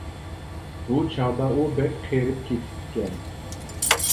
بۇ چاغدا ئۇ بەك قېرىپ كېتىپتىكەن.